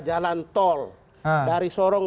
jalan tol dari sorong